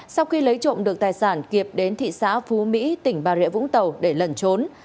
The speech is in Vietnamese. sau khi lấy trộm được tài sản kiệt đến thị xã phú mỹ tỉnh bà rịa vũng tàu để lần trốn